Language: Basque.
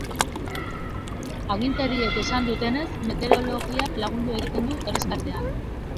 Agintariek esan dutenez, meteorologiak lagundu egiten du erreskatean.